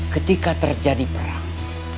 ketika terjadi perang